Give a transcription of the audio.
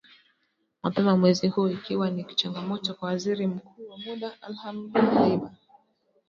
mapema mwezi huu ikiwa ni changamoto kwa Waziri Mkuu wa muda Abdulhamid Dbeibah